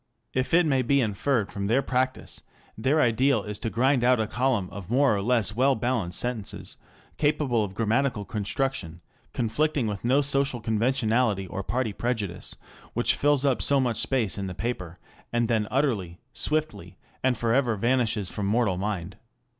If it may be inferred from their practice, their ideal is to grind out a column of more or less well balanced sentences, capable of grammatical construction, con flicting with no social conventionality or party prejudice, which fills so much space} in the paper, and then utterly, swiftly, and for ever vanishes from mortal mind.